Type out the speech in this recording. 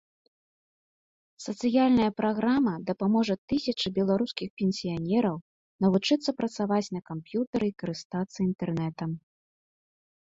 Сацыяльная праграма дапаможа тысячы беларускіх пенсіянераў навучыцца працаваць на камп'ютары і карыстацца інтэрнэтам.